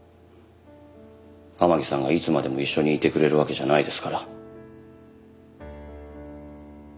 天樹さんがいつまでも一緒にいてくれるわけじゃないですから。